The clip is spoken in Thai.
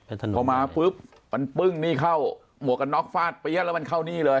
พอมาปุ๊บมันปึ้งนี่เข้าหมวกกันน็อกฟาดเปี๊ยะแล้วมันเข้านี่เลย